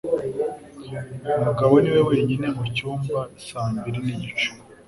Mugabo niwe wenyine mucyumba saa mbiri nigice.